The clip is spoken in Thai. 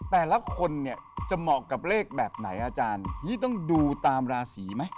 แต่ละคนเนี่ยจะเหมาะกับเลขแบบไหนอาจารย์พี่ต้องดูตามราศีไหม